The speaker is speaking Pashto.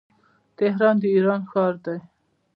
تهران د ايران ښار دی.